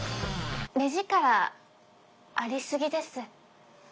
目力ありすぎです。